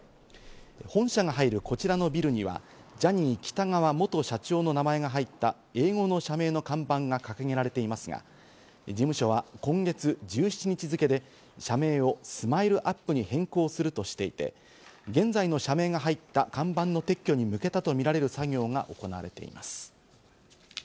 本社が入るこちらのビルにはジャニー喜多川元社長の名前が入った英語の社名の看板が掲げられていますが、事務所は今月１７日付で社名をＳＭＩＬＥ‐ＵＰ．に変更するとしていて、現在の社名が入った看板の撤去に向けたとみられる作業が行われています。